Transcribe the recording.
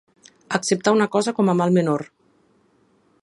Acceptar una cosa com a mal menor.